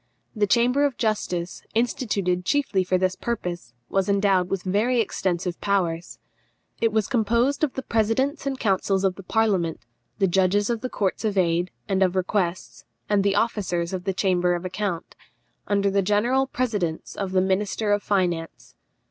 The Chamber of Justice, instituted chiefly for this purpose, was endowed with very extensive powers. It was composed of the presidents and councils of the parliament, the judges of the Courts of Aid and of Requests, and the officers of the Chamber of Account, under the general presidence of the minister of finance.